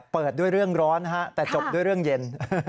เปิดด้วยเรื่องร้อนนะฮะแต่จบด้วยเรื่องเย็น